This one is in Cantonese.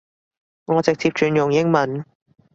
我直接轉用英文